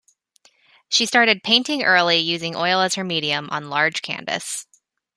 She started painting early, using oil as her medium, on large canvas.